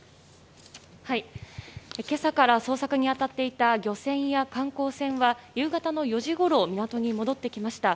今朝から捜索に当たっていた漁船や観光船は夕方の４時ごろ港に戻ってきました。